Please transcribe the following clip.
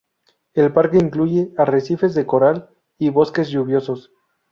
El parque incluye arrecifes de coral y bosques lluviosos.